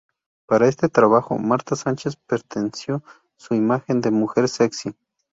Para este trabajo, Marta Sánchez potenció su imagen de mujer sexy.